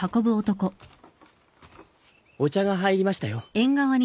お茶が入りましたよ。